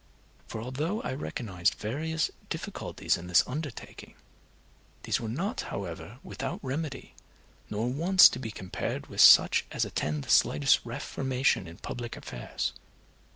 For although I recognized various difficulties in this undertaking, these were not, however, without remedy, nor once to be compared with such as attend the slightest reformation in public affairs.